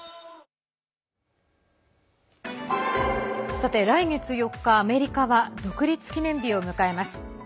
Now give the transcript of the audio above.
さて来月４日、アメリカは独立記念日を迎えます。